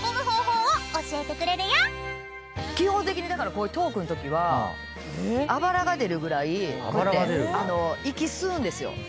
基本的にこういうトークのときはあばらが出るぐらいこうやって息吸うんですよ。